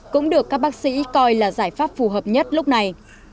cũng được các bác sĩ coi là giải pháp phù hợp nhất lúc này